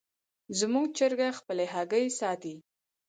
زموږ چرګه خپلې هګۍ ساتي.